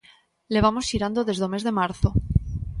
Levamos xirando desde o mes de marzo.